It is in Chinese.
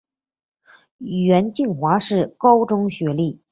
袁敬华是高中学历。